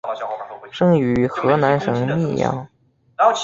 生于河南省泌阳。